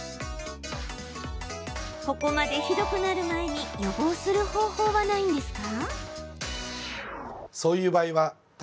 ここまでひどくなる前に予防する方法はないんですか？